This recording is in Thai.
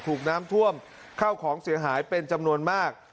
ถูกน้ำท่วมเข้าของเสียหายเป็นจำนวนมาก